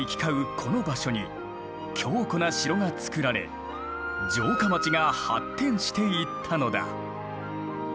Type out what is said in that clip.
この場所に強固な城が造られ城下町が発展していったのだ。